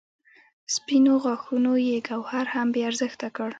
سپینو غاښونو یې ګوهر هم بې ارزښته کړ.